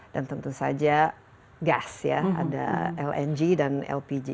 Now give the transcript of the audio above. dan tentu saja gas ya ada lng dan lpg